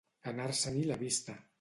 Anar-se-n'hi la vista.